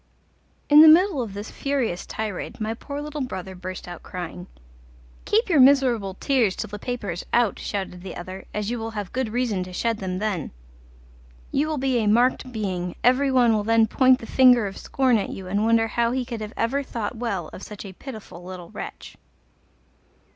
In the middle of this furious tirade my poor little brother burst out crying. "Keep your miserable tears till the paper is out," shouted the other, "as you will have good reason to shed them then. You will be a marked being, every one will then point the finger of scorn at you and wonder how he could ever have thought well of such a pitiful little wretch."